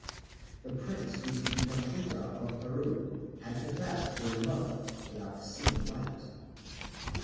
The prince who was to become Inca of Peru had to fast for a month without seeing light.